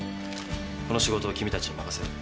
この仕事を君たちに任せる。